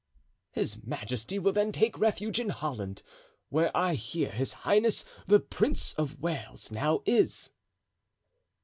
"His majesty will then take refuge in Holland, where I hear his highness the Prince of Wales now is."